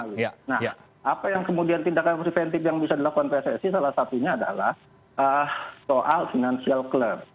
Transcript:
nah apa yang kemudian tindakan preventif yang bisa dilakukan pssi salah satunya adalah soal financial club